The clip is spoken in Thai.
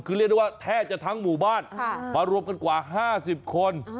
คือเรียกได้ว่าแทบจะทั้งหมู่บ้านมารวมกันกว่า๕๐คน